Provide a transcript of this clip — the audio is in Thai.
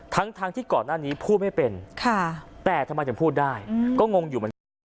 ทั้งทั้งที่ก่อนหน้านี้พูดไม่เป็นค่ะแต่ทำไมถึงพูดได้ก็งงอยู่